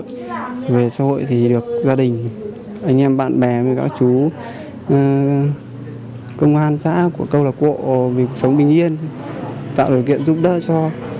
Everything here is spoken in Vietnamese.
thì về xã hội thì được gia đình anh em bạn bè với các chú công an xã của câu lạc bộ vì cuộc sống bình yên tạo điều kiện giúp đỡ cho